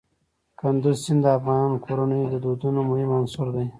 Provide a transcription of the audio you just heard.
کندز سیند د افغان کورنیو د دودونو مهم عنصر دی.